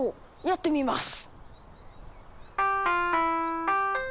やってみます。